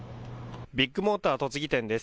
ビッグモーター栃木店です。